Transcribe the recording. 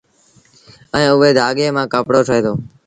ائيٚݩ اُئي ڌآڳي مآݩ ڪپڙو ٺهي دو